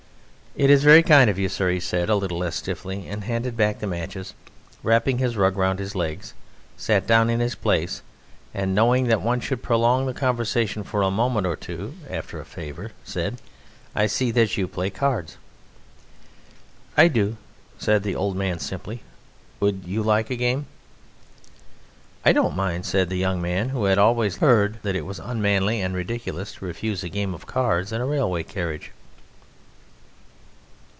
"It is very kind of you, sir," he said a little less stiffly. He handed back the matches, wrapped his rug round his legs, sat down in his place, and knowing that one should prolong the conversation for a moment or two after a favour, said: "I see that you play cards." "I do," said the old man simply; "would you like a game?" "I don't mind," said the young man, who had always heard that it was unmanly and ridiculous to refuse a game of cards in a railway carriage.